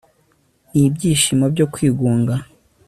Nibyishimo byo kwigunga